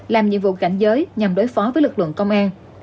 làm nhiệm vụ cảnh giới nhằm đối phó với lực lượng công an